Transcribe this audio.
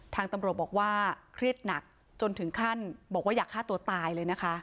ทางตำรวจบอกว่าเครียดหนักจนถึงขั้นบอกว่าอยากฆ่าตัวตายเลยนะคะ